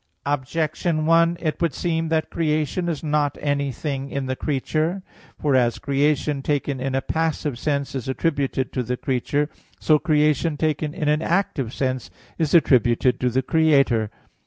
Objection 1: It would seem that creation is not anything in the creature. For as creation taken in a passive sense is attributed to the creature, so creation taken in an active sense is attributed to the Creator.